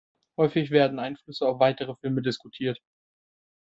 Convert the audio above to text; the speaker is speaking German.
Häufig werden Einflüsse auf weitere Filme diskutiert.